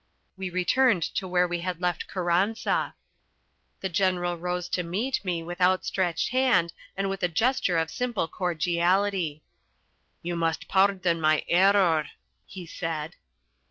We returned to where we had left Carranza. The General rose to meet me with outstretched hand and with a gesture of simple cordiality. "You must pardon my error," he said.